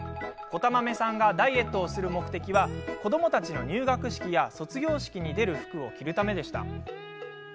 こたまめさんがダイエットをする目的は子どもたちの入学式や卒業式に出る服を着るためでした。